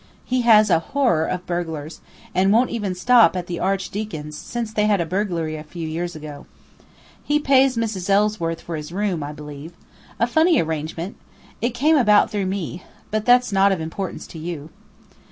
He has a horror of burglars, and won't even stop at the Archdeacon's since they had a burglary a few years ago. He pays Mrs. Ellsworth for his room, I believe. A funny arrangement! it came about through me. But that's not of importance to you."